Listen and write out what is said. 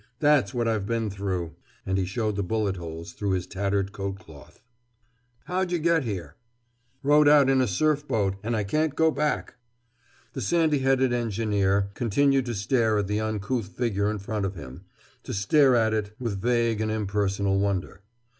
That's what I've been through!" And he showed the bullet holes through his tattered coat cloth. "How'd you get here?" "Rowed out in a surf boat—and I can't go back!" The sandy headed engineer continued to stare at the uncouth figure in front of him, to stare at it with vague and impersonal wonder.